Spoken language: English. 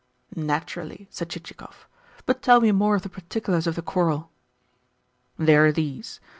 "Naturally," said Chichikov. "But tell me more of the particulars of the quarrel." "They are these.